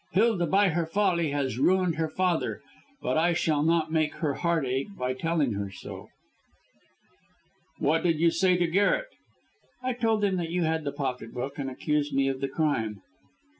Hilda, by her folly, has ruined her father, but I shall not make her heart ache by telling her so." "What did you say to Garret?" "I told him that you had the pocket book, and accused me of the crime.